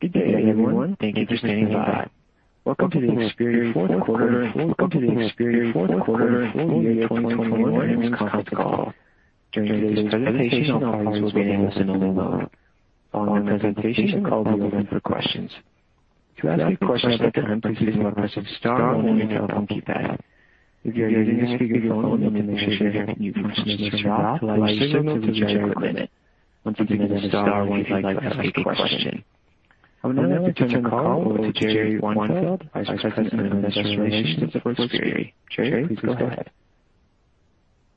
Good day, everyone. Thank you for standing by. Welcome to the Xperi fourth quarter and full-year 2021 earnings conference call. During today's presentation, all parties will be in a listen-only mode. Following the presentation, we'll open the line for questions. To ask a question at that time, please begin by pressing star on your telephone keypad. If you're using a speakerphone, you'll need to make sure you haven't muted participants from dial to allow yourself to be unmuted. Once you've been unmuted, star one if you'd like to ask a question. I would now like to turn the call over to Geri Weinfeld, Vice President of Investor Relations at Xperi. Geri, please go ahead.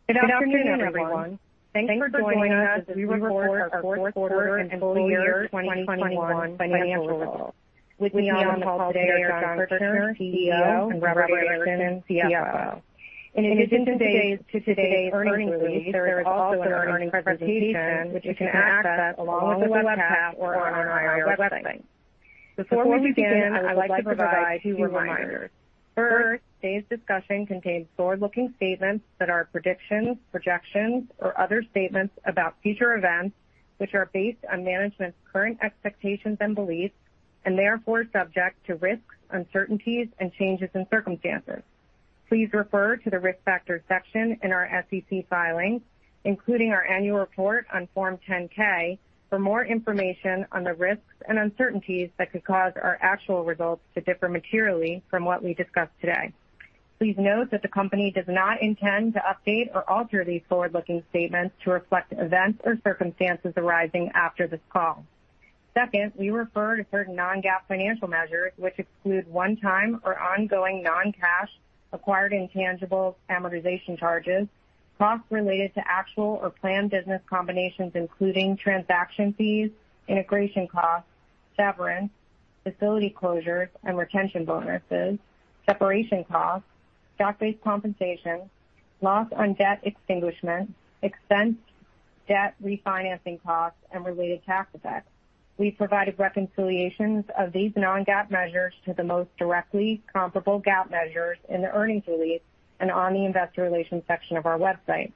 Good afternoon, everyone. Thanks for joining us as we report our fourth quarter and full-year 2021 financial results. With me on the call today are Jon Kirchner, CEO, and Robert Andersen, CFO. In addition to today's earnings release, there is also an earnings presentation which you can access along with the webcast or on our IR website. Before we begin, I would like to provide two reminders. First, today's discussion contains forward-looking statements that are predictions, projections, or other statements about future events, which are based on management's current expectations and beliefs and therefore subject to risks, uncertainties, and changes in circumstances. Please refer to the Risk Factors section in our SEC filings, including our annual report on Form 10-K for more information on the risks and uncertainties that could cause our actual results to differ materially from what we discuss today. Please note that the company does not intend to update or alter these forward-looking statements to reflect events or circumstances arising after this call. Second, we refer to certain non-GAAP financial measures, which exclude one-time or ongoing non-cash acquired intangible amortization charges, costs related to actual or planned business combinations, including transaction fees, integration costs, severance, facility closures and retention bonuses, separation costs, stock-based compensation, loss on debt extinguishment, expense, debt refinancing costs, and related tax effects. We've provided reconciliations of these non-GAAP measures to the most directly comparable GAAP measures in the earnings release and on the Investor Relations section of our website.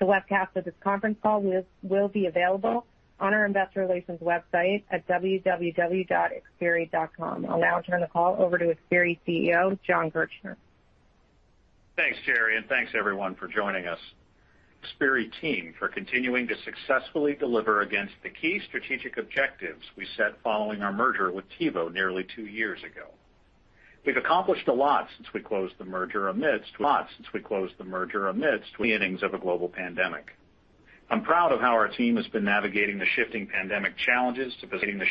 The webcast of this conference call will be available on our Investor Relations website at www.xperi.com. I'll now turn the call over to Xperi CEO, Jon Kirchner. Thanks, Geri, and thanks, everyone, for joining us. I thank the Xperi team for continuing to successfully deliver against the key strategic objectives we set following our merger with TiVo nearly two years ago. We've accomplished a lot since we closed the merger amidst innings of a global pandemic. I'm proud of how our team has been navigating the shifting pandemic challenges to position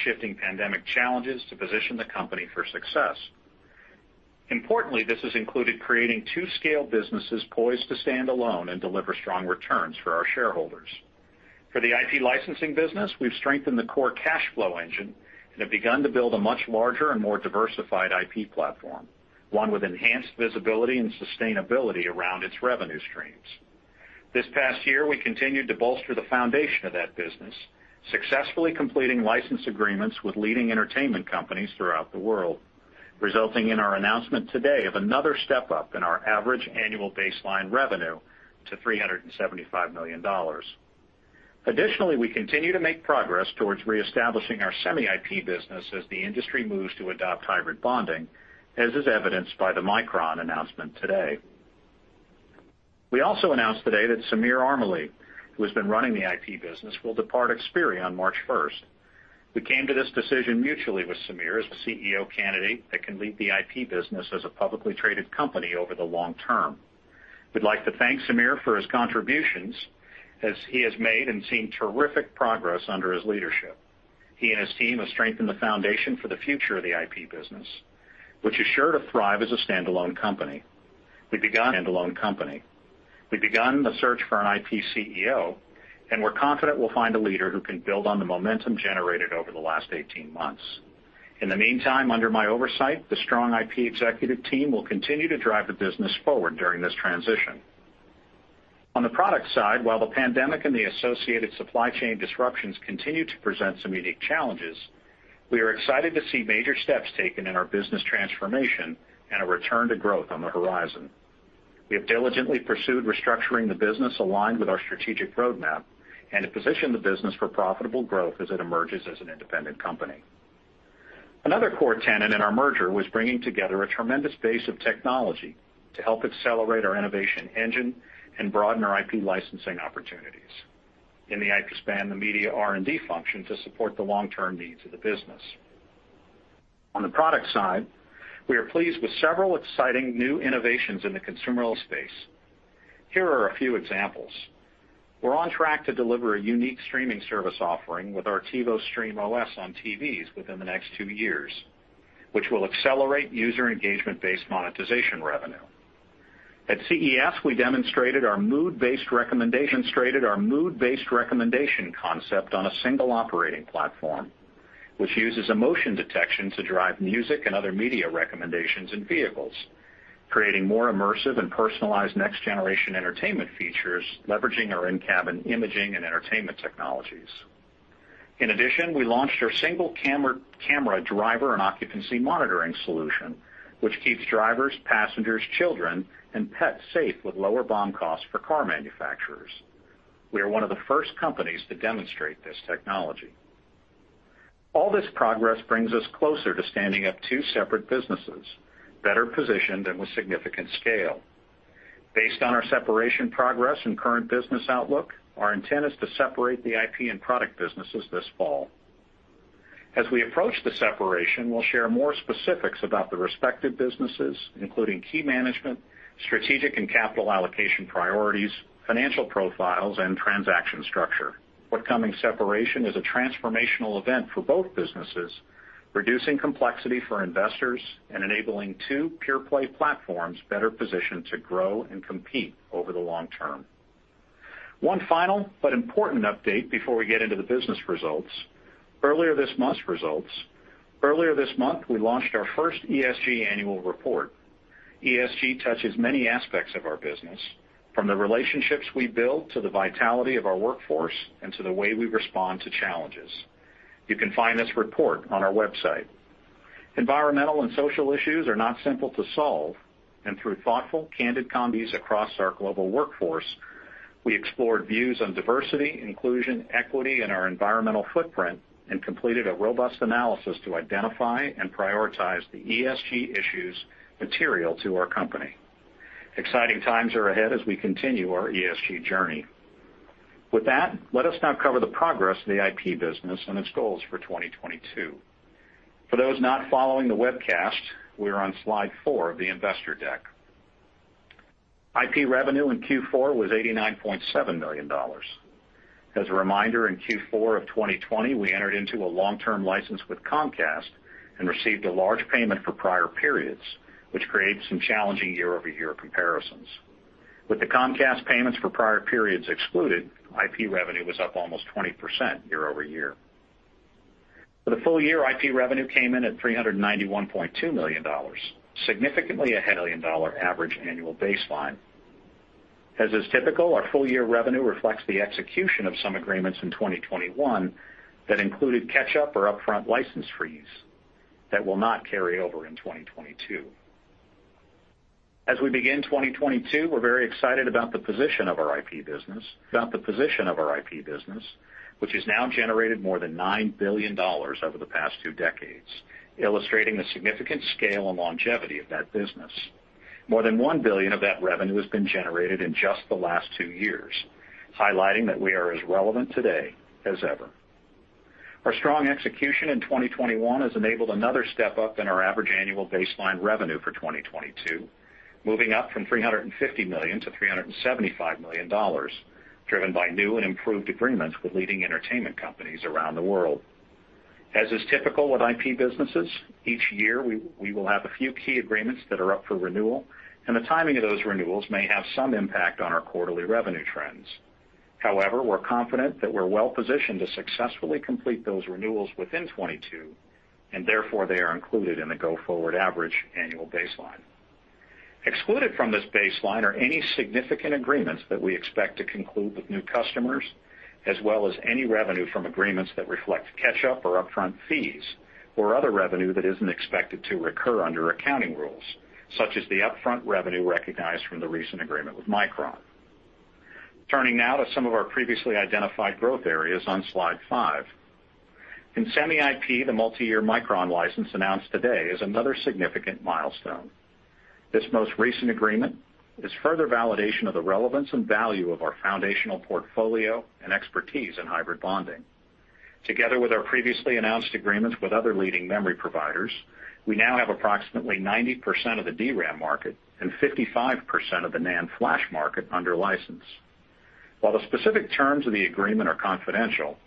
the company for success. Importantly, this has included creating two scale businesses poised to stand alone and deliver strong returns for our shareholders. For the IP licensing business, we've strengthened the core cash flow engine and have begun to build a much larger and more diversified IP platform, one with enhanced visibility and sustainability around its revenue streams. This past year, we continued to bolster the foundation of that business, successfully completing license agreements with leading entertainment companies throughout the world, resulting in our announcement today of another step-up in our average annual baseline revenue to $375 million. Additionally, we continue to make progress towards reestablishing our semi-IP business as the industry moves to adopt hybrid bonding, as is evidenced by the Micron announcement today. We also announced today that Samir Armaly, who has been running the IP business, will depart Xperi on March 1. We came to this decision mutually with Samir as a CEO candidate that can lead the IP business as a publicly traded company over the long term. We'd like to thank Samir for his contributions as he has made and seen terrific progress under his leadership. He and his team have strengthened the foundation for the future of the IP business, which is sure to thrive as a standalone company. We've begun the search for an IP CEO, and we're confident we'll find a leader who can build on the momentum generated over the last 18 months. In the meantime, under my oversight, the strong IP executive team will continue to drive the business forward during this transition. On the product side, while the pandemic and the associated supply chain disruptions continue to present some unique challenges, we are excited to see major steps taken in our business transformation and a return to growth on the horizon. We have diligently pursued restructuring the business aligned with our strategic roadmap and to position the business for profitable growth as it emerges as an independent company. Another core tenet in our merger was bringing together a tremendous base of technology to help accelerate our innovation engine and broaden our IP licensing opportunities in the IP spin-off, the media R&D function to support the long-term needs of the business. On the product side, we are pleased with several exciting new innovations in the consumer space. Here are a few examples. We're on track to deliver a unique streaming service offering with our TiVo Stream OS on TVs within the next two years, which will accelerate user engagement-based monetization revenue. At CES, we demonstrated our mood-based recommendation concept on a single operating platform, which uses emotion detection to drive music and other media recommendations in vehicles, creating more immersive and personalized next-generation entertainment features, leveraging our in-cabin imaging and entertainment technologies. In addition, we launched our single camera driver and occupancy monitoring solution, which keeps drivers, passengers, children, and pets safe with lower BOM costs for car manufacturers. We are one of the first companies to demonstrate this technology. All this progress brings us closer to standing up two separate businesses, better positioned and with significant scale. Based on our separation progress and current business outlook, our intent is to separate the IP and product businesses this fall. As we approach the separation, we'll share more specifics about the respective businesses, including key management, strategic and capital allocation priorities, financial profiles, and transaction structure. Upcoming separation is a transformational event for both businesses, reducing complexity for investors and enabling two pure-play platforms better positioned to grow and compete over the long term. One final but important update before we get into the business results. Earlier this month, we launched our first ESG annual report. ESG touches many aspects of our business, from the relationships we build to the vitality of our workforce and to the way we respond to challenges. You can find this report on our website. Environmental and social issues are not simple to solve, and through thoughtful, candid conversations across our global workforce, we explored views on diversity, inclusion, equity, and our environmental footprint, and completed a robust analysis to identify and prioritize the ESG issues material to our company. Exciting times are ahead as we continue our ESG journey. With that, let us now cover the progress of the IP business and its goals for 2022. For those not following the webcast, we are on slide four of the investor deck. IP revenue in Q4 was $89.7 million. As a reminder, in Q4 of 2020, we entered into a long-term license with Comcast and received a large payment for prior periods, which created some challenging year-over-year comparisons. With the Comcast payments for prior periods excluded, IP revenue was up almost 20% year over year. For the full-year, IP revenue came in at $391.2 million, significantly ahead of $1 million average annual baseline. As is typical, our full-year revenue reflects the execution of some agreements in 2021 that included catch-up or upfront license fees that will not carry over in 2022. As we begin 2022, we're very excited about the position of our IP business, which has now generated more than $9 billion over the past two decades, illustrating the significant scale and longevity of that business. More than $1 billion of that revenue has been generated in just the last two years, highlighting that we are as relevant today as ever. Our strong execution in 2021 has enabled another step-up in our average annual baseline revenue for 2022, moving up from $350 million-$375 million, driven by new and improved agreements with leading entertainment companies around the world. As is typical with IP businesses, each year we will have a few key agreements that are up for renewal, and the timing of those renewals may have some impact on our quarterly revenue trends. However, we're confident that we're well-positioned to successfully complete those renewals within 2022, and therefore, they are included in the go-forward average annual baseline. Excluded from this baseline are any significant agreements that we expect to conclude with new customers, as well as any revenue from agreements that reflect catch-up or upfront fees, or other revenue that isn't expected to recur under accounting rules, such as the upfront revenue recognized from the recent agreement with Micron. Turning now to some of our previously identified growth areas on slide five. In Semi-IP, the multi-year Micron license announced today is another significant milestone. This most recent agreement is further validation of the relevance and value of our foundational portfolio and expertise in hybrid bonding. Together with our previously announced agreements with other leading memory providers, we now have approximately 90% of the DRAM market and 55% of the NAND flash market under license. While the specific terms of the agreement are confidential,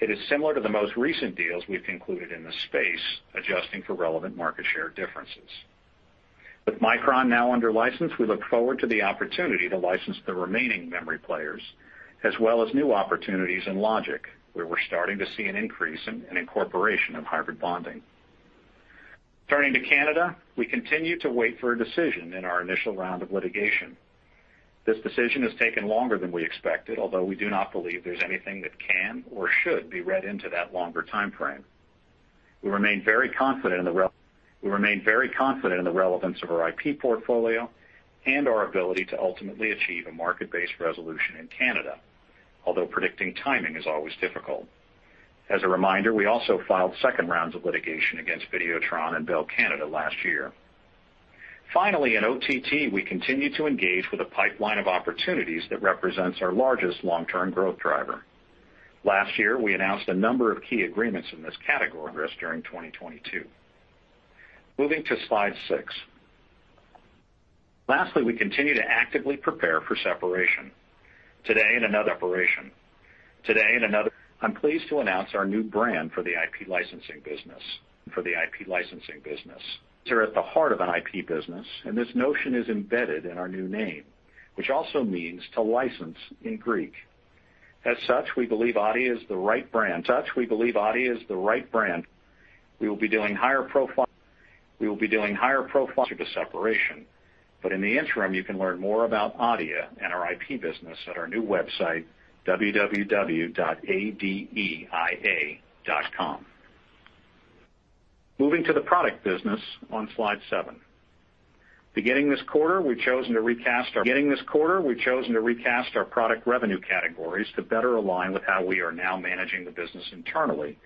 it is similar to the most recent deals we've concluded in the space, adjusting for relevant market share differences. With Micron now under license, we look forward to the opportunity to license the remaining memory players, as well as new opportunities in Logic, where we're starting to see an increase in and incorporation of hybrid bonding. Turning to Canada, we continue to wait for a decision in our initial round of litigation. This decision has taken longer than we expected, although we do not believe there's anything that can or should be read into that longer timeframe. We remain very confident in the relevance of our IP portfolio and our ability to ultimately achieve a market-based resolution in Canada. Although predicting timing is always difficult. As a reminder, we also filed second rounds of litigation against Vidéotron and Bell Canada last year. Finally, in OTT, we continue to engage with a pipeline of opportunities that represents our largest long-term growth driver. Last year, we announced a number of key agreements in this category during 2022. Moving to slide six. Lastly, we continue to actively prepare for separation. I'm pleased to announce our new brand for the IP licensing business. They're at the heart of an IP business, and this notion is embedded in our new name, which also means to license in Greek. As such, we believe Adeia is the right brand. We will be doing higher profile to the separation. In the interim, you can learn more about Adeia and our IP business at our new website, www.adeia.com. Moving to the product business on slide seven. Beginning this quarter, we've chosen to recast our product revenue categories to better align with how we are now managing the business internally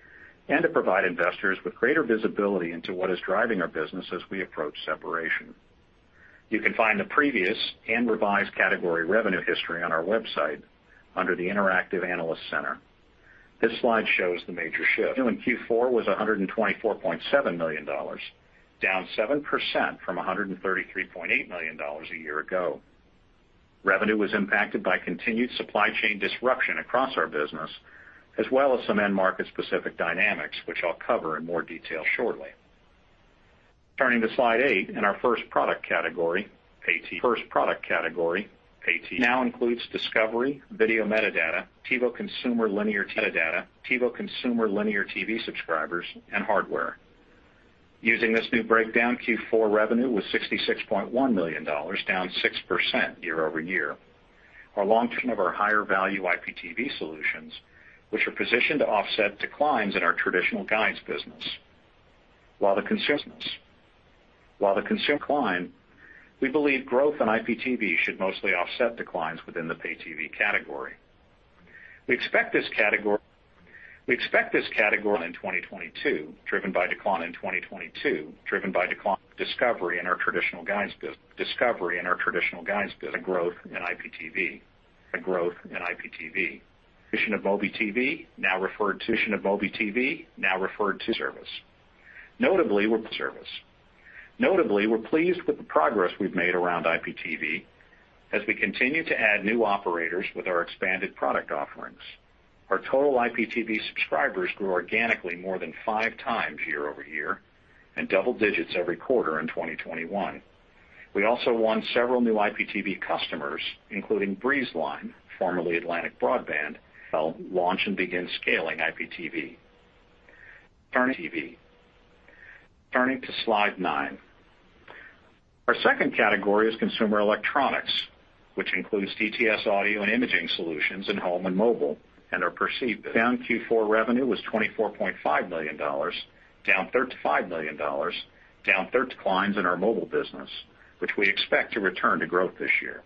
and to provide investors with greater visibility into what is driving our business as we approach separation. You can find the previous and revised category revenue history on our website under the Interactive Analyst Center. This slide shows the major shift. Revenue in Q4 was $124.7 million, down 7% from $133.8 million a year ago. Revenue was impacted by continued supply chain disruption across our business, as well as some end market-specific dynamics, which I'll cover in more detail shortly. Turning to slide eight in our first product category, pay TV, now includes discovery, video metadata, TiVo Consumer linear metadata, TiVo Consumer linear TV subscribers, and hardware. Using this new breakdown, Q4 revenue was $66.1 million, down 6% year-over-year. Our long-term view of our higher value IPTV solutions, which are positioned to offset declines in our traditional guides business. While the consumer business. While the consumer line, we believe growth in IPTV should mostly offset declines within the pay TV category. We expect this category in 2022, driven by decline in discovery in our traditional guides business. A growth in IPTV. Addition of MobiTV now referred to as a service. Notably, we're service. Notably, we're pleased with the progress we've made around IPTV as we continue to add new operators with our expanded product offerings. Our total IPTV subscribers grew organically more than five times year-over-year at double digits every quarter in 2021. We also won several new IPTV customers, including Breezeline, formerly Atlantic Broadband, which will launch and begin scaling IPTV. Turning to slide nine. Our second category is consumer electronics, which includes DTS audio and imaging solutions in home and mobile, and Perceive. Q4 revenue was $24.5 million, down $35 million. Declines in our mobile business, which we expect to return to growth this year.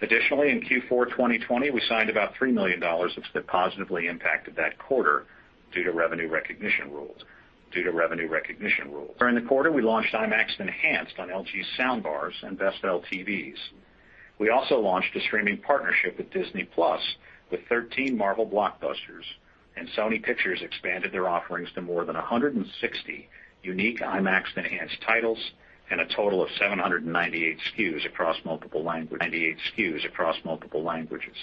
Additionally, in Q4 2020, we signed about $3 million that positively impacted that quarter due to revenue recognition rules. During the quarter, we launched IMAX Enhanced on LG sound bars and VIZIO TVs. We also launched a streaming partnership with Disney+ with 13 Marvel blockbusters, and Sony Pictures expanded their offerings to more than 160 unique IMAX Enhanced titles and a total of 98 SKUs across multiple languages.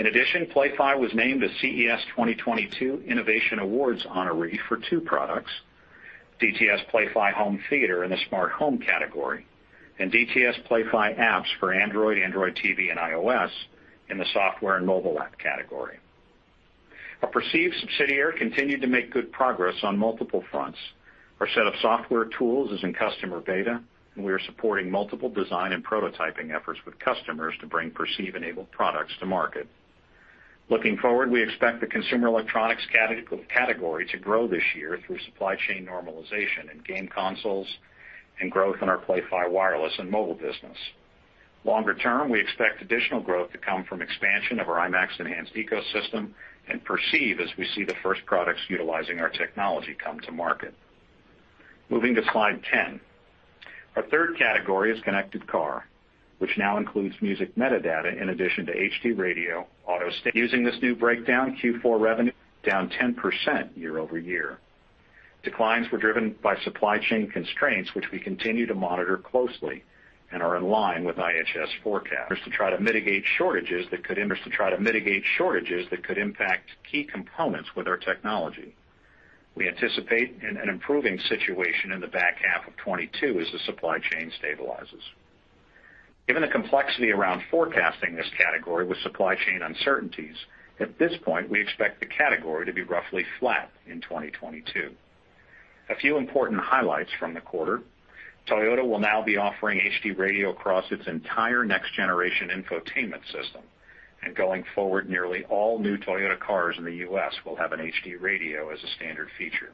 In addition, DTS Play-Fi was named a CES 2022 Innovation Awards honoree for two products, DTS Play-Fi Home Theater in the smart home category and DTS Play-Fi apps for Android TV, and iOS in the software and mobile app category. Our Perceive subsidiary continued to make good progress on multiple fronts. Our set of software tools is in customer beta, and we are supporting multiple design and prototyping efforts with customers to bring Perceive-enabled products to market. Looking forward, we expect the consumer electronics category to grow this year through supply chain normalization in game consoles and growth in our Play-Fi wireless and mobile business. Longer term, we expect additional growth to come from expansion of our IMAX Enhanced ecosystem and Perceive as we see the first products utilizing our technology come to market. Moving to slide 10. Our third category is connected car, which now includes music metadata in addition to HD Radio, AutoStage. Using this new breakdown, Q4 revenue down 10% year-over-year. Declines were driven by supply chain constraints, which we continue to monitor closely and are in line with IHS forecasts. To try to mitigate shortages that could impact key components with our technology. We anticipate an improving situation in the back half of 2022 as the supply chain stabilizes. Given the complexity around forecasting this category with supply chain uncertainties, at this point, we expect the category to be roughly flat in 2022. A few important highlights from the quarter. Toyota will now be offering HD Radio across its entire next-generation infotainment system. Going forward, nearly all new Toyota cars in the U.S. will have an HD Radio as a standard feature.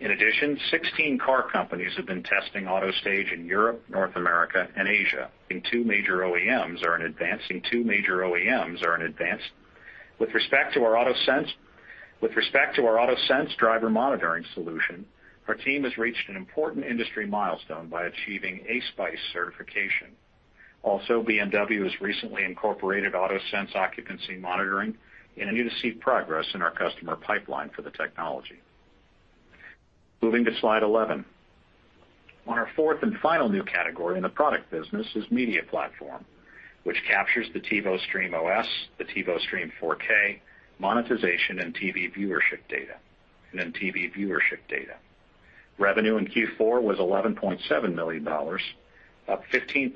In addition, 16 car companies have been testing AutoStage in Europe, North America, and Asia. Two major OEMs are in advanced. With respect to our AutoSense driver monitoring solution, our team has reached an important industry milestone by achieving ASPICE certification. Also, BMW has recently incorporated AutoSense occupancy monitoring and continue to see progress in our customer pipeline for the technology. Moving to slide 11. On our fourth and final new category in the product business is media platform, which captures the TiVo Stream OS, the TiVo Stream 4K, monetization, and TV viewership data. Revenue in Q4 was $11.7 million, up 15%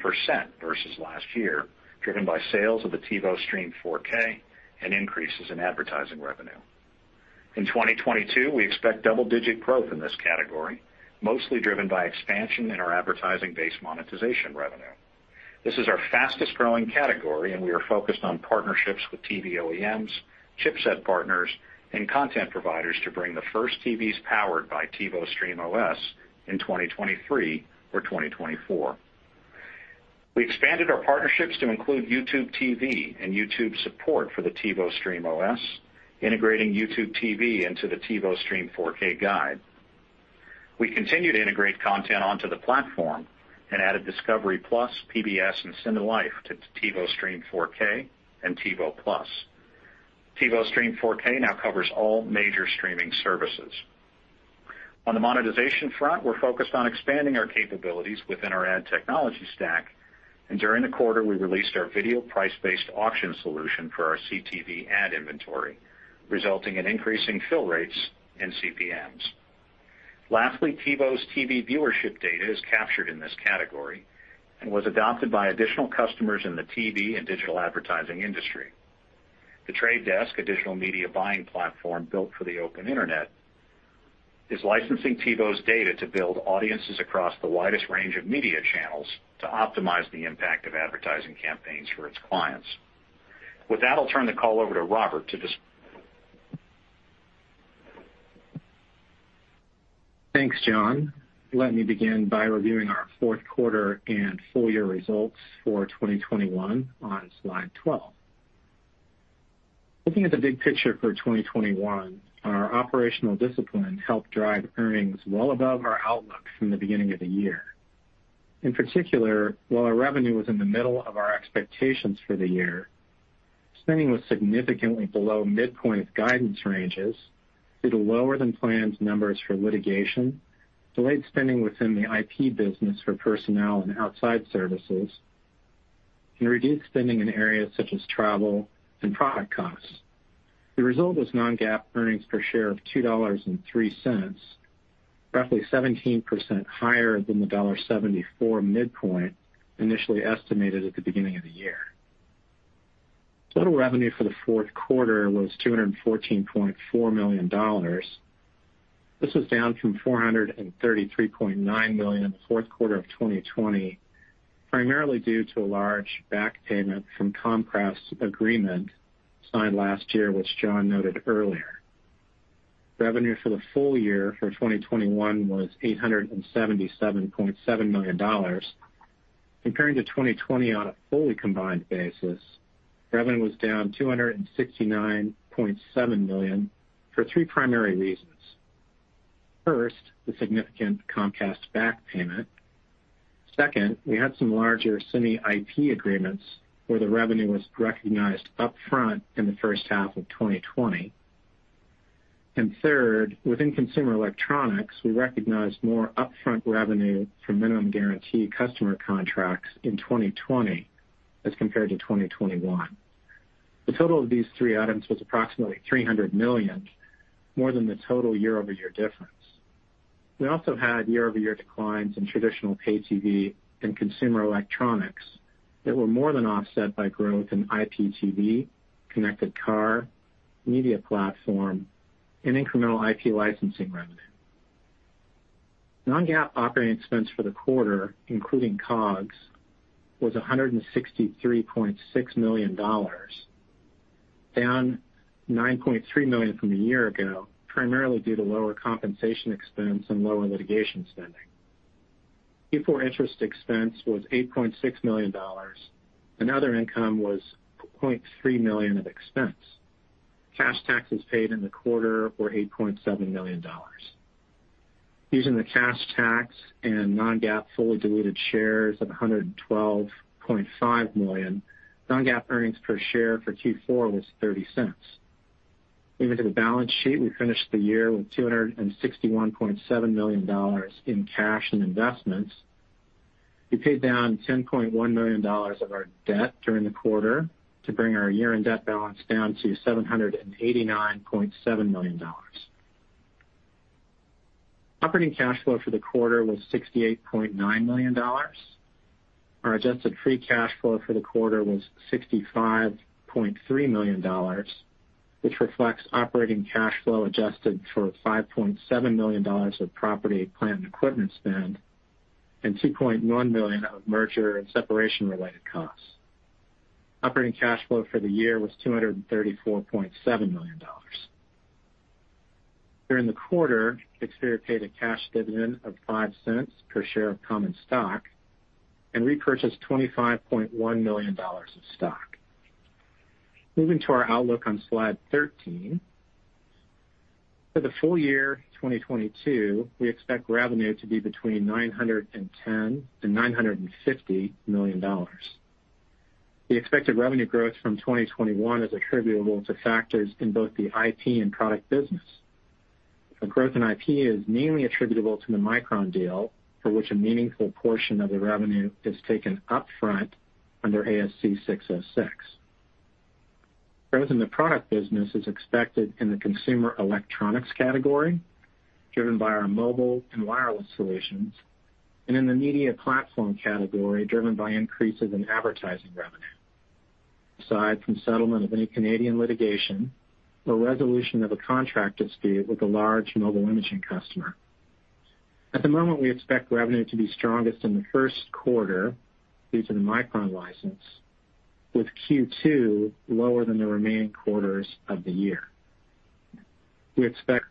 versus last year, driven by sales of the TiVo Stream 4K and increases in advertising revenue. In 2022, we expect double-digit growth in this category, mostly driven by expansion in our advertising-based monetization revenue. This is our fastest-growing category, and we are focused on partnerships with TV OEMs, chipset partners, and content providers to bring the first TVs powered by TiVo Stream OS in 2023 or 2024. We expanded our partnerships to include YouTube TV and YouTube support for the TiVo Stream OS, integrating YouTube TV into the TiVo Stream 4K guide. We continue to integrate content onto the platform and added Discovery+, PBS, and CineLife to TiVo Stream 4K and TiVo+. TiVo Stream 4K now covers all major streaming services. On the monetization front, we're focused on expanding our capabilities within our ad technology stack, and during the quarter, we released our video price-based auction solution for our CTV ad inventory, resulting in increasing fill rates and CPMs. Lastly, TiVo's TV viewership data is captured in this category and was adopted by additional customers in the TV and digital advertising industry. The Trade Desk, a digital media buying platform built for the open internet, is licensing TiVo's data to build audiences across the widest range of media channels to optimize the impact of advertising campaigns for its clients. With that, I'll turn the call over to Robert to just- Thanks, Jon. Let me begin by reviewing our fourth quarter and full-year results for 2021 on slide 12. Looking at the big picture for 2021, our operational discipline helped drive earnings well above our outlook from the beginning of the year. In particular, while our revenue was in the middle of our expectations for the year, spending was significantly below midpoint of guidance ranges due to lower-than-planned numbers for litigation, delayed spending within the IP business for personnel and outside services, and reduced spending in areas such as travel and product costs. The result was non-GAAP earnings per share of $2.03, roughly 17% higher than the $1.74 midpoint initially estimated at the beginning of the year. Total revenue for the fourth quarter was $214.4 million. This was down from $433.9 million in the fourth quarter of 2020, primarily due to a large back payment from Comcast agreement signed last year, which Jon noted earlier. Revenue for the full-year for 2021 was $877.7 million. Comparing to 2020 on a fully combined basis, revenue was down $269.7 million for three primary reasons. First, the significant Comcast back payment. Second, we had some larger semi-IP agreements where the revenue was recognized upfront in the first half of 2020. And third, within consumer electronics, we recognized more upfront revenue from minimum guarantee customer contracts in 2020 as compared to 2021. The total of these three items was approximately $300 million, more than the total year-over-year difference. We also had year-over-year declines in traditional pay TV and consumer electronics that were more than offset by growth in IPTV, connected car, media platform, and incremental IP licensing revenue. Non-GAAP operating expense for the quarter, including COGS, was $163.6 million, down $9.3 million from a year ago, primarily due to lower compensation expense and lower litigation spending. Before interest expense was $8.6 million, and other income was $0.3 million of expense. Cash taxes paid in the quarter were $8.7 million. Using the cash tax and non-GAAP fully diluted shares of 112.5 million, non-GAAP earnings per share for Q4 was $0.30. Moving to the balance sheet, we finished the year with $261.7 million in cash and investments. We paid down $10.1 million of our debt during the quarter to bring our year-end debt balance down to $789.7 million. Operating cash flow for the quarter was $68.9 million. Our adjusted free cash flow for the quarter was $65.3 million, which reflects operating cash flow adjusted for $5.7 million of property, plant, and equipment spend and $2.1 million of merger and separation-related costs. Operating cash flow for the year was $234.7 million. During the quarter, Xperi paid a cash dividend of $0.05 per share of common stock and repurchased $25.1 million of stock. Moving to our outlook on slide 13. For the full-year 2022, we expect revenue to be between $910 million and $950 million. The expected revenue growth from 2021 is attributable to factors in both the IP and product business. The growth in IP is mainly attributable to the Micron deal, for which a meaningful portion of the revenue is taken upfront under ASC 606. Growth in the product business is expected in the consumer electronics category, driven by our mobile and wireless solutions, and in the media platform category, driven by increases in advertising revenue. Aside from settlement of any Canadian litigation or resolution of a contract dispute with a large mobile imaging customer, at the moment, we expect revenue to be strongest in the first quarter due to the Micron license, with Q2 lower than the remaining quarters of the year. We expect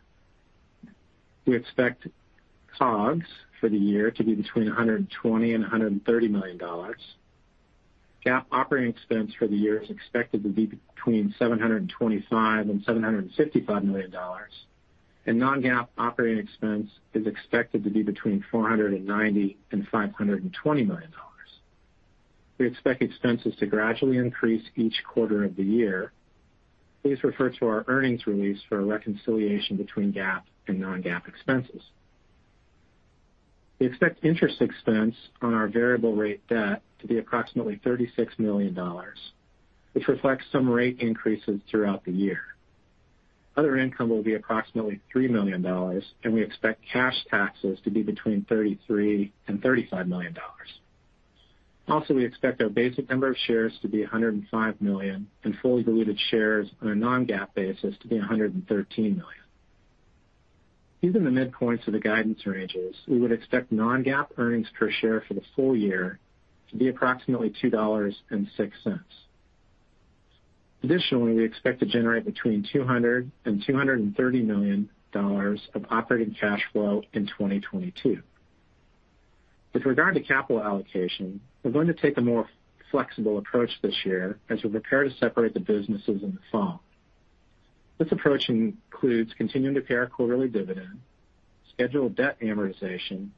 COGS for the year to be between $120 million and $130 million. GAAP operating expense for the year is expected to be between $725 million and $755 million, and non-GAAP operating expense is expected to be between $490 million and $520 million. We expect expenses to gradually increase each quarter of the year. Please refer to our earnings release for a reconciliation between GAAP and non-GAAP expenses. We expect interest expense on our variable rate debt to be approximately $36 million, which reflects some rate increases throughout the year. Other income will be approximately $3 million, and we expect cash taxes to be between $33 million and $35 million. We expect our basic number of shares to be 105 million and fully diluted shares on a non-GAAP basis to be 113 million. Using the midpoints of the guidance ranges, we would expect non-GAAP earnings per share for the full-year to be approximately $2.06. Additionally, we expect to generate between $200 million and $230 million of operating cash flow in 2022. With regard to capital allocation, we're going to take a more flexible approach this year as we prepare to separate the businesses in the fall. This approach includes continuing to pay our quarterly dividend, schedule debt amortization,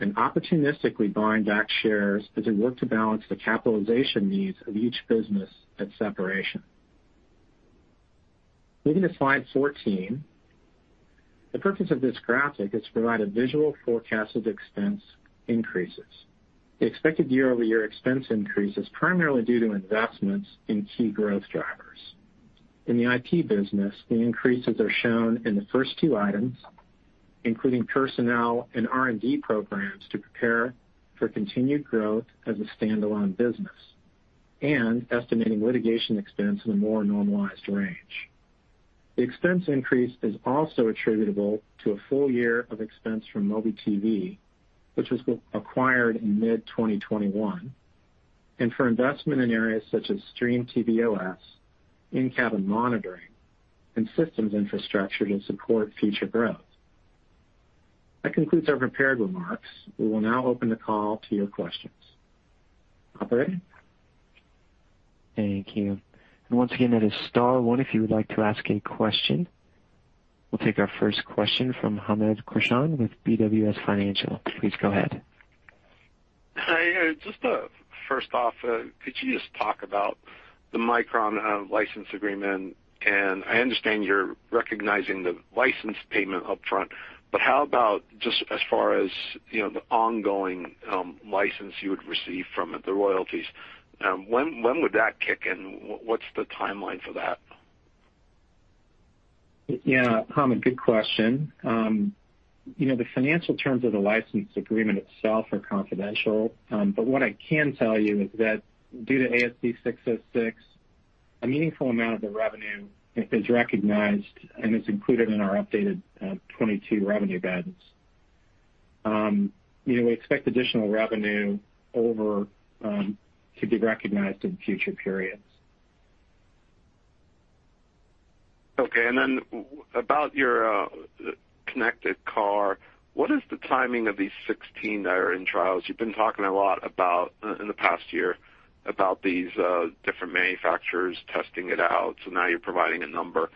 and opportunistically buying back shares as we work to balance the capitalization needs of each business at separation. Moving to slide 14. The purpose of this graphic is to provide a visual forecast of expense increases. The expected year-over-year expense increase is primarily due to investments in key growth drivers. In the IP business, the increases are shown in the first two items, including personnel and R&D programs to prepare for continued growth as a standalone business and estimating litigation expense in a more normalized range. The expense increase is also attributable to a full-year of expense from MobiTV, which was acquired in mid-2021, and for investment in areas such as TiVo OS, in-cabin monitoring, and systems infrastructure to support future growth. That concludes our prepared remarks. We will now open the call to your questions. Operator? Thank you. Once again, that is star one if you would like to ask any question. We'll take our first question from Hamed Khorsand with BWS Financial. Please go ahead. Hi. Just first off, could you just talk about the Micron license agreement? I understand you're recognizing the license payment upfront, but how about just as far as, you know, the ongoing license you would receive from it, the royalties? When would that kick in? What's the timeline for that? Hamed, good question. You know, the financial terms of the license agreement itself are confidential. What I can tell you is that due to ASC 606, a meaningful amount of the revenue is recognized and is included in our updated 2022 revenue guidance. You know, we expect additional revenue to be recognized in future periods. Okay. What about your connected car, what is the timing of these 16 that are in trials? You've been talking a lot about in the past year about these different manufacturers testing it out, so now you're providing a number.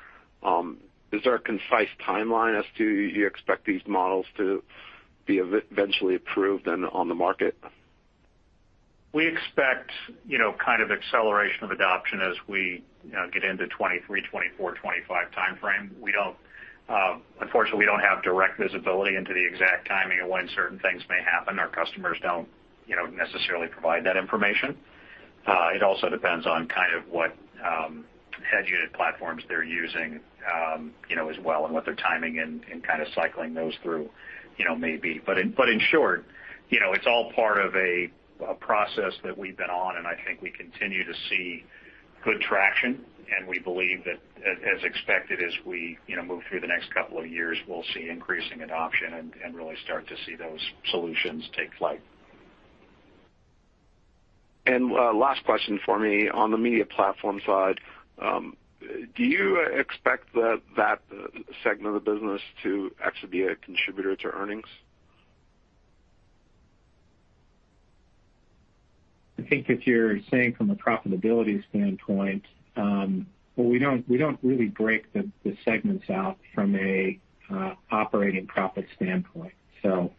Is there a concise timeline as to when you expect these models to be eventually approved and on the market? We expect, you know, kind of acceleration of adoption as we get into 2023, 2024, 2025 timeframe. Unfortunately, we don't have direct visibility into the exact timing of when certain things may happen. Our customers don't, you know, necessarily provide that information. It also depends on kind of what edge unit platforms they're using, you know, as well, and what their timing and kind of cycling those through, you know, maybe. In short, you know, it's all part of a process that we've been on, and I think we continue to see good traction, and we believe that as expected as we, you know, move through the next couple of years, we'll see increasing adoption and really start to see those solutions take flight. Last question for me. On the media platform side, do you expect that segment of the business to actually be a contributor to earnings? I think if you're saying from a profitability standpoint, well, we don't really break the segments out from a operating profit standpoint, so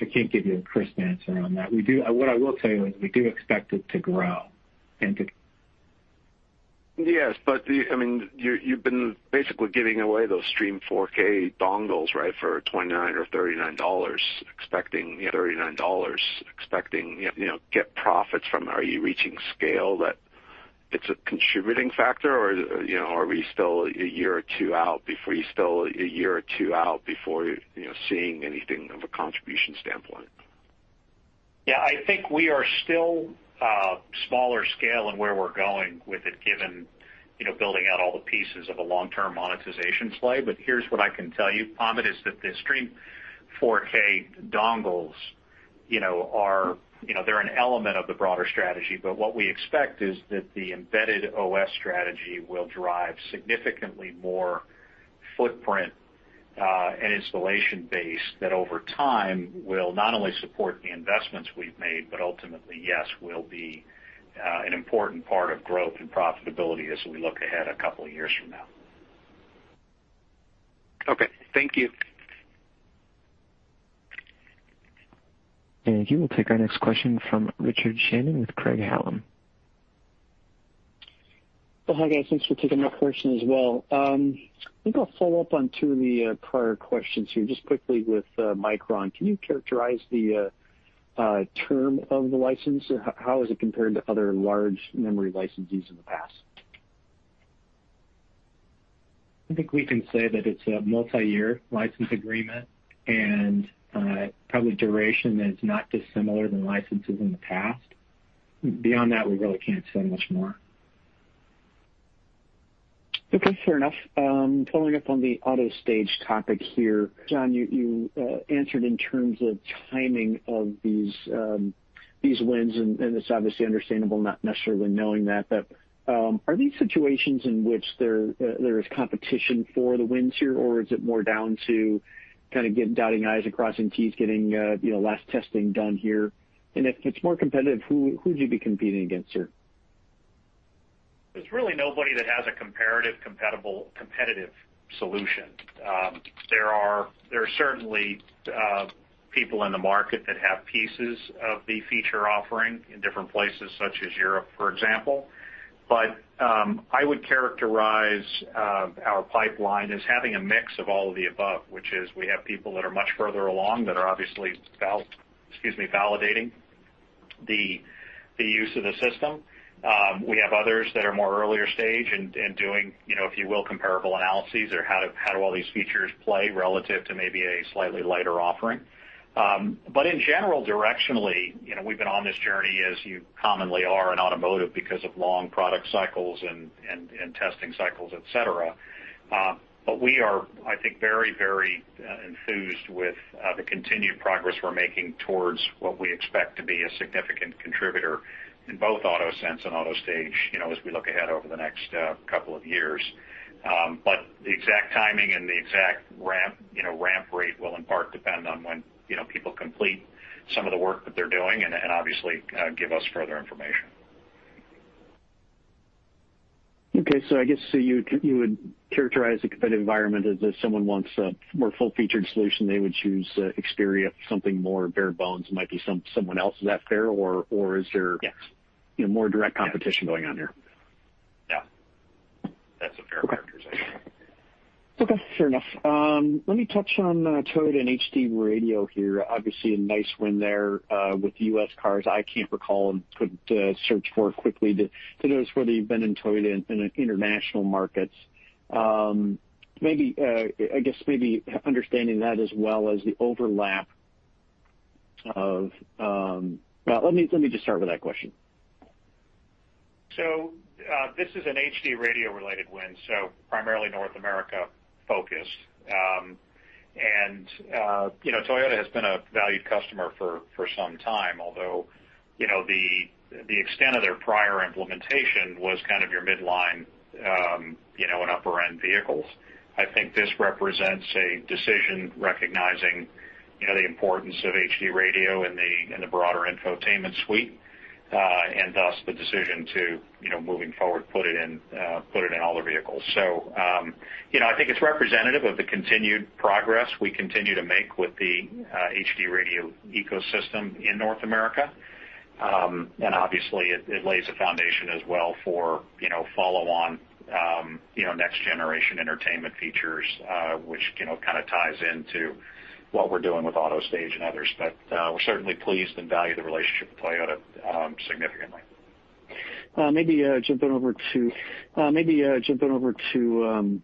I can't give you a crisp answer on that. What I will tell you is we do expect it to grow and to- Yes, but I mean, you've been basically giving away those Stream 4K dongles, right, for $29 or $39 expecting, you know, $39, expecting, you know, get profits from. Are you reaching scale that it's a contributing factor or, you know, are we still a year or two out before, you know, seeing anything of a contribution standpoint? Yeah, I think we are still smaller scale in where we're going with it, given, you know, building out all the pieces of a long-term monetization play. Here's what I can tell you, Hamed, is that the TiVo Stream 4K dongles, you know, are, you know, they're an element of the broader strategy, but what we expect is that the embedded OS strategy will drive significantly more footprint and installation base that over time will not only support the investments we've made. Ultimately, yes, will be an important part of growth and profitability as we look ahead a couple of years from now. Okay. Thank you. Thank you. We'll take our next question from Richard Shannon with Craig-Hallum. Well, hi, guys. Thanks for taking my question as well. I think I'll follow up on two of the prior questions here. Just quickly with Micron, can you characterize the term of the license? How is it compared to other large memory licensees in the past? I think we can say that it's a multi-year license agreement, and, probably duration is not dissimilar than licenses in the past. Beyond that, we really can't say much more. Okay, fair enough. Following up on the AutoStage topic here, Jon, you answered in terms of timing of these wins, and it's obviously understandable not necessarily knowing that, but are these situations in which there is competition for the wins here, or is it more down to kind of getting dotting i's and crossing t's, getting you know last testing done here? If it's more competitive, who would you be competing against here? There's really nobody that has a competitive solution. There are certainly people in the market that have pieces of the feature offering in different places such as Europe, for example. I would characterize our pipeline as having a mix of all of the above, which is we have people that are much further along that are obviously validating the use of the system. We have others that are more earlier stage and doing, you know, if you will, comparable analyses or how to, how do all these features play relative to maybe a slightly lighter offering. In general, directionally, you know, we've been on this journey as you commonly are in automotive because of long product cycles and testing cycles, et cetera. We are, I think, very enthused with the continued progress we're making towards what we expect to be a significant contributor in both AutoSense and AutoStage, you know, as we look ahead over the next couple of years. The exact timing and the exact ramp, you know, ramp rate will in part depend on when, you know, people complete some of the work that they're doing and obviously give us further information. Okay, I guess so you would characterize the competitive environment as if someone wants a more full-featured solution, they would choose Xperi. If something more bare bones, it might be someone else. Is that fair? Or is there- Yes. You know, more direct competition going on here? Yeah. That's a fair characterization. Okay, fair enough. Let me touch on Toyota and HD Radio here. Obviously a nice win there with the U.S. cars. I can't recall and couldn't search for it quickly to know whether you've been in Toyota in international markets. Maybe understanding that as well as the overlap of. Well, let me just start with that question. This is an HD Radio-related win, so primarily North America focused. You know, Toyota has been a valued customer for some time, although, you know, the extent of their prior implementation was kind of your midline, you know, and upper end vehicles. I think this represents a decision recognizing, you know, the importance of HD Radio in the broader infotainment suite, and thus the decision to, you know, moving forward, put it in all their vehicles. You know, I think it's representative of the continued progress we continue to make with the HD Radio ecosystem in North America. Obviously, it lays a foundation as well for, you know, follow on, you know, next generation entertainment features, which, you know, kinda ties into what we're doing with AutoStage and others. We're certainly pleased and value the relationship with Toyota significantly. Maybe jumping over to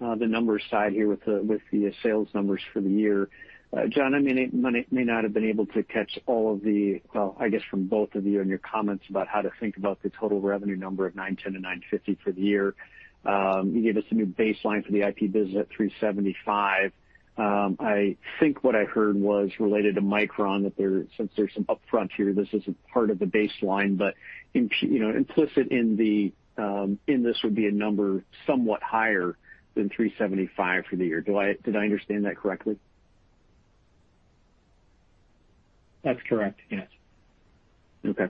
the numbers side here with the sales numbers for the year. Jon, I may not have been able to catch all of the, well, I guess from both of you and your comments about how to think about the total revenue number of $910 million-$950 million for the year. You gave us a new baseline for the IP business at $375 million. I think what I heard was related to Micron, that there, since there's some upfront here, this is a part of the baseline, but, you know, implicit in this would be a number somewhat higher than $375 million for the year. Did I understand that correctly? That's correct, yes. Okay.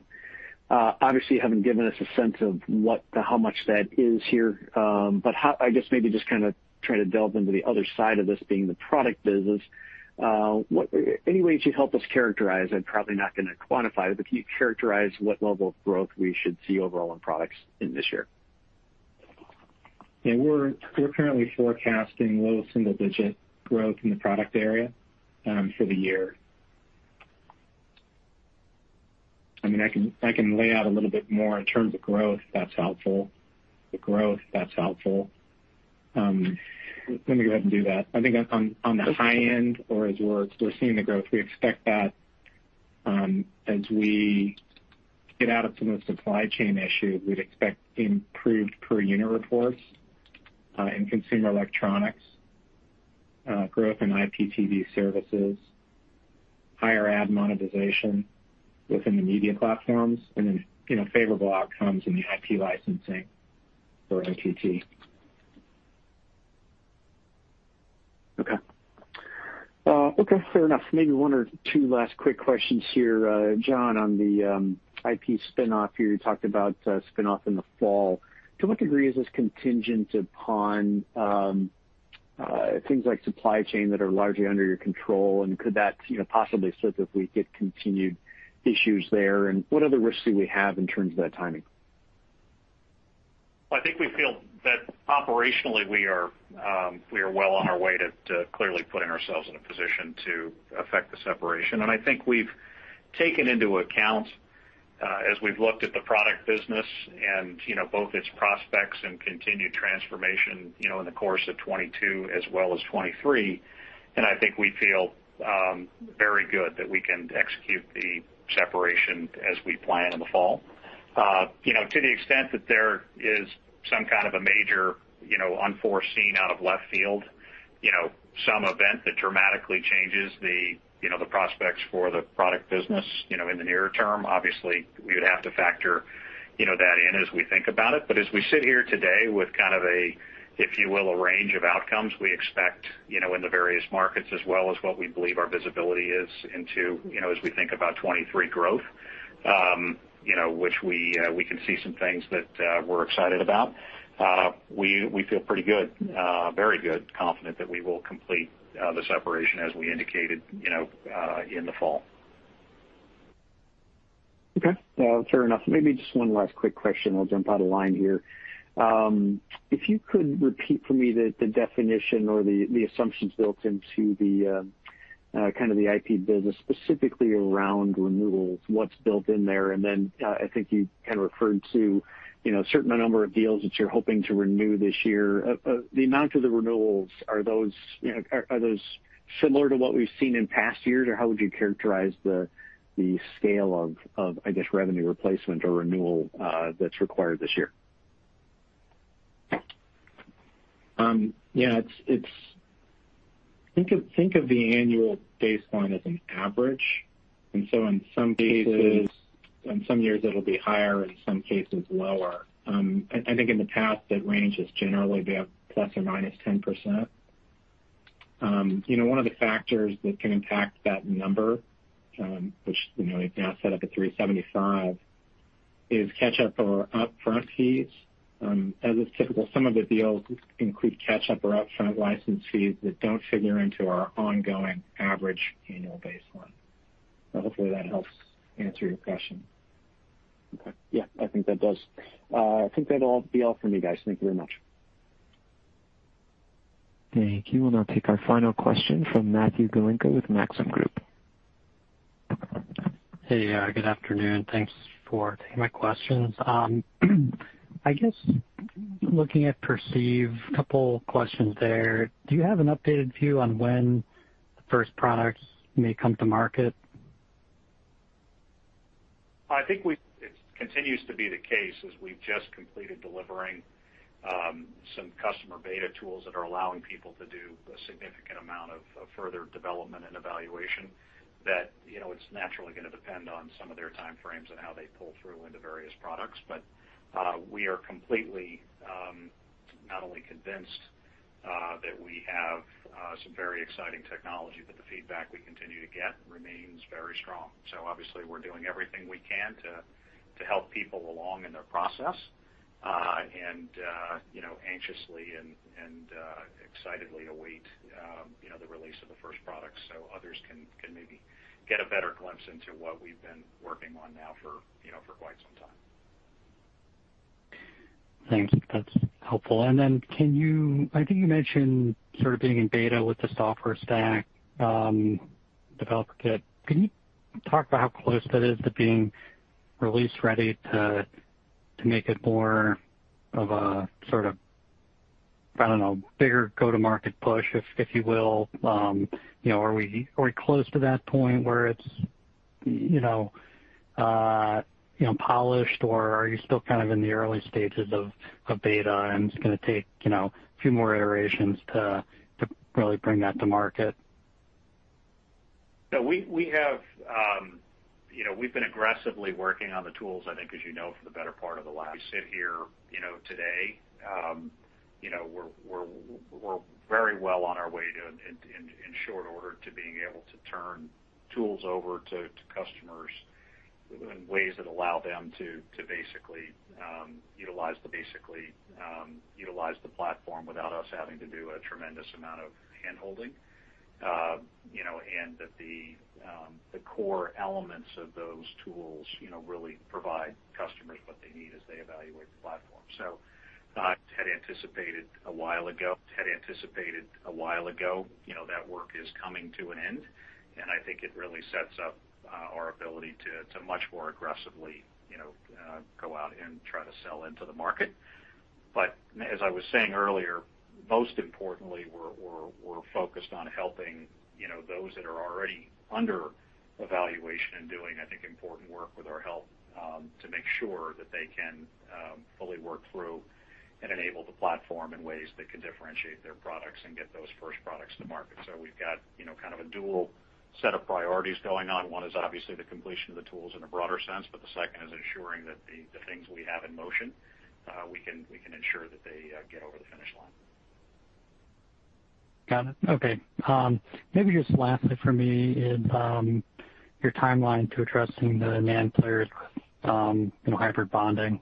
Obviously you haven't given us a sense of how much that is here, but I guess maybe just kinda trying to delve into the other side of this being the product business. Any way that you'd help us characterize, and probably not gonna quantify it, but can you characterize what level of growth we should see overall in products in this year? Yeah. We're currently forecasting low single-digit growth in the product area for the year. I mean, I can lay out a little bit more in terms of growth that's helpful. Let me go ahead and do that. I think on the high end or as we're seeing the growth, we expect that, as we get out of some of the supply chain issues, we'd expect improved per unit reports in consumer electronics, growth in IPTV services, higher ad monetization within the media platforms, and then, you know, favorable outcomes in the IP licensing for IP. Okay. Okay, fair enough. Maybe one or two last quick questions here. Jon, on the IP spin off here, you talked about a spin off in the fall. To what degree is this contingent upon things like supply chain that are largely under your control? And could that, you know, possibly slip if we get continued issues there? And what other risks do we have in terms of that timing? I think we feel that operationally we are well on our way to clearly putting ourselves in a position to affect the separation. I think we've taken into account as we've looked at the product business and, you know, both its prospects and continued transformation, you know, in the course of 2022 as well as 2023, and I think we feel very good that we can execute the separation as we plan in the fall. You know, to the extent that there is some kind of a major, you know, unforeseen out of left field, you know, some event that dramatically changes the, you know, the prospects for the product business, you know, in the near term. Obviously, we would have to factor, you know, that in as we think about it. As we sit here today with kind of a, if you will, a range of outcomes, we expect, you know, in the various markets as well as what we believe our visibility is into, you know, as we think about 2023 growth, which we can see some things that we're excited about. We feel pretty good, very good, confident that we will complete the separation as we indicated, you know, in the fall. Okay, fair enough. Maybe just one last quick question. I'll jump out of line here. If you could repeat for me the definition or the assumptions built into the kind of the IP business, specifically around renewals, what's built in there. Then, I think you kind of referred to, you know, a certain number of deals that you're hoping to renew this year. The amount of the renewals, are those, you know, are those similar to what we've seen in past years, or how would you characterize the scale of, I guess, revenue replacement or renewal that's required this year? Yeah, it's. Think of the annual baseline as an average, and so in some cases, in some years it'll be higher, in some cases lower. I think in the past, that range has generally been ±10%. You know, one of the factors that can impact that number, which, you know, is now set up at $375 million, is catch up or upfront fees. As is typical, some of the deals include catch up or upfront license fees that don't figure into our ongoing average annual baseline. Hopefully that helps answer your question. Okay. Yeah, I think that does. I think that'll be all for me, guys. Thank you very much. Thank you. We'll now take our final question from Matthew Galinko with Maxim Group. Hey, good afternoon. Thanks for taking my questions. I guess looking at Perceive, a couple questions there. Do you have an updated view on when the first products may come to market? I think it continues to be the case as we've just completed delivering some customer beta tools that are allowing people to do a significant amount of further development and evaluation that you know it's naturally gonna depend on some of their time frames and how they pull through into various products. We are completely not only convinced that we have some very exciting technology but the feedback we continue to get remains very strong. Obviously we're doing everything we can to help people along in their process and you know anxiously and excitedly await you know the release of the first product so others can maybe get a better glimpse into what we've been working on now for you know for quite some time. Thanks. That's helpful. Can you, I think you mentioned sort of being in beta with the software stack, developer kit. Can you talk about how close that is to being release ready to make it more of a sort of, I don't know, bigger go-to-market push, if you will? You know, are we close to that point where it's you know you know polished, or are you still kind of in the early stages of beta, and it's gonna take you know a few more iterations to really bring that to market? We've been aggressively working on the tools, I think as you know, for the better part of the last. We sit here, you know, today, you know, we're very well on our way in short order to being able to turn tools over to customers in ways that allow them to basically utilize the platform without us having to do a tremendous amount of handholding. You know, that the core elements of those tools really provide customers what they need as they evaluate the platform. I had anticipated a while ago, you know, that work is coming to an end, and I think it really sets up our ability to much more aggressively, you know, go out and try to sell into the market. But as I was saying earlier, most importantly, we're focused on helping, you know, those that are already under evaluation and doing, I think, important work with our help, to make sure that they can fully work through and enable the platform in ways that can differentiate their products and get those first products to market. We've got, you know, kind of a dual set of priorities going on. One is obviously the completion of the tools in a broader sense, but the second is ensuring that the things we have in motion, we can ensure that they get over the finish line. Got it. Okay. Maybe just lastly for me is your timeline to addressing the NAND players with, you know, hybrid bonding?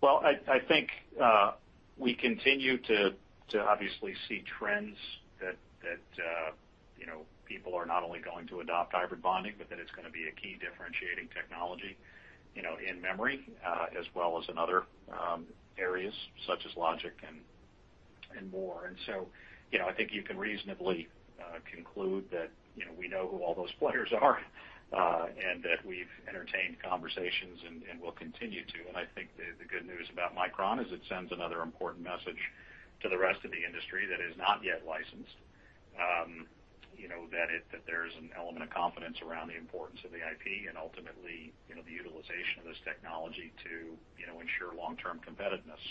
Well, I think we continue to obviously see trends that you know people are not only going to adopt hybrid bonding, but that it's gonna be a key differentiating technology you know in memory as well as in other areas such as logic and more. You know I think you can reasonably conclude that you know we know who all those players are and that we've entertained conversations and will continue to. I think the good news about Micron is it sends another important message to the rest of the industry that is not yet licensed you know that there's an element of confidence around the importance of the IP and ultimately you know the utilization of this technology to you know ensure long-term competitiveness.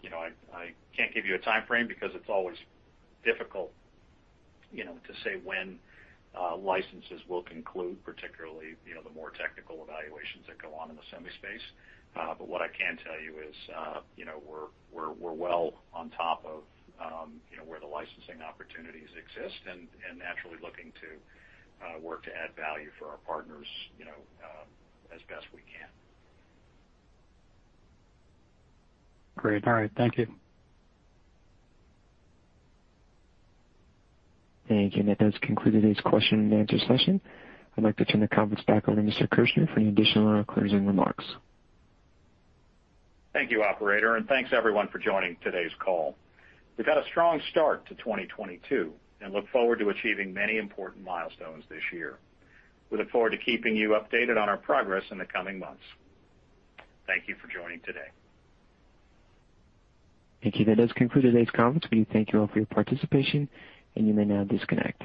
You know, I can't give you a timeframe because it's always difficult, you know, to say when licenses will conclude, particularly, you know, the more technical evaluations that go on in the semi space. But what I can tell you is, you know, we're well on top of, you know, where the licensing opportunities exist and naturally looking to work to add value for our partners, you know, as best we can. Great. All right. Thank you. Thank you. That does conclude today's question and answer session. I'd like to turn the conference back over to Mr. Kirchner for any additional closing remarks. Thank you, operator, and thanks everyone for joining today's call. We've had a strong start to 2022 and look forward to achieving many important milestones this year. We look forward to keeping you updated on our progress in the coming months. Thank you for joining today. Thank you. That does conclude today's conference. We thank you all for your participation, and you may now disconnect.